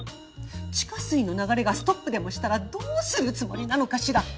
地下水の流れがストップでもしたらどうするつもりなのかしら。